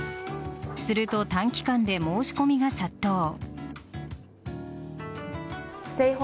すると、短期間で申し込みが殺到。